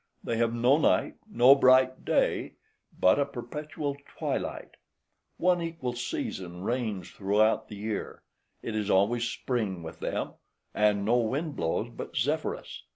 They have no night nor bright day, but a perpetual twilight; one equal season reigns throughout the year; it is always spring with them, and no wind blows but Zephyrus.